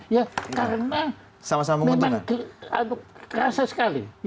ya karena memang kerasa sekali